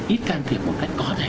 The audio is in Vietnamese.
ít can thiệp một cách có thể